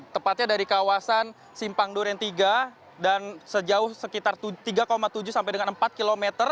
tepatnya dari kawasan simpang duren tiga dan sejauh sekitar tiga tujuh sampai dengan empat km